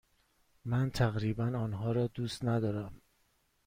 من تقریبا آنها را دوست ندارم.